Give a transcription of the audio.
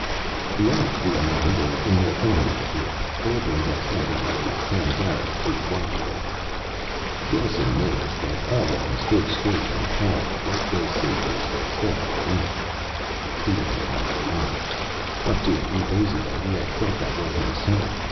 The other three men were in their own little group, delivering what sounded like a panegyric to watchbird. Gelsen noticed that all of them stood straight and tall, like the saviors they felt they were. He didn't find it funny. Up to a few days ago he had felt that way himself.